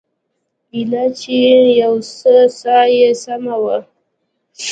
ايله چې يو څه ساه يې سمه وه.